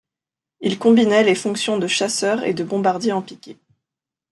Il combinait les fonctions de chasseur et de bombardier en piqué.